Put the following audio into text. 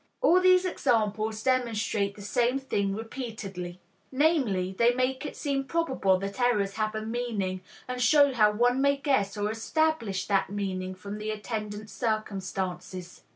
All these examples demonstrate the same thing repeatedly: namely, they make it seem probable that errors have a meaning, and show how one may guess or establish that meaning from the attendant circumstances.